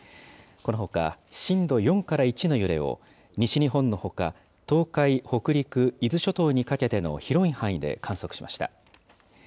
このほか、震度４から１の揺れを、西日本のほか、東海、北陸、伊豆諸島にかけての広い範囲で観測しました。